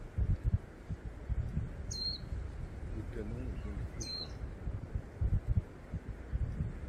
Le canon est donc flottant.